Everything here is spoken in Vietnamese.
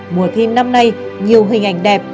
mùa thi năm nay nhiều hình ảnh đẹp